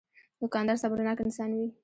دوکاندار صبرناک انسان وي.